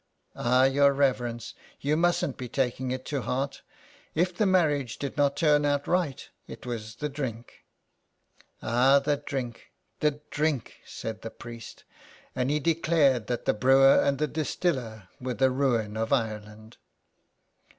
'''' Ah, your reverence, you musn't be taking it to heart. If the marriage did not turn out right it was the drink.'' " Ah, the drink — the drink," said the priest, and he declared that the brewer and the distiller were the ruin of Ireland.